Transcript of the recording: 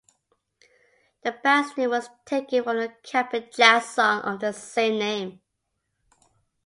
The band's name was taken from the Cap'n Jazz song of the same name.